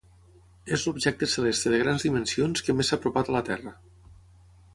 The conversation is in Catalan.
És l'objecte celeste de grans dimensions que més s'ha apropat a la Terra.